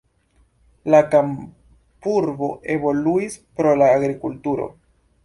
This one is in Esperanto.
La kampurbo evoluis pro la agrikulturo.